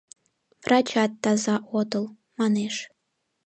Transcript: — Врачат таза отыл, — манеш.